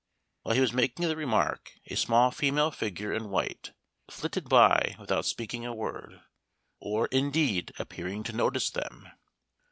While he was making the remark, a small female figure in white, flitted by without speaking a word, or indeed appearing to notice them.